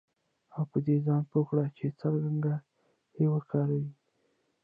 او په دې ځان پوه کړئ چې څرنګه یې وکاروئ